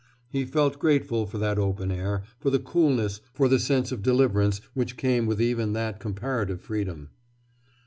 He felt grateful for that open air, for the coolness, for the sense of deliverance which came with even that comparative freedom.